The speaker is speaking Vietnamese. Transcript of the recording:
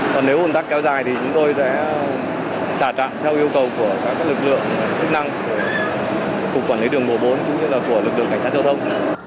còn nếu ủng tắc kéo dài thì chúng tôi sẽ xả trạng theo yêu cầu của các lực lượng chức năng của cục quản lý đường bộ bốn cũng như là của lực lượng cảnh sát giao thông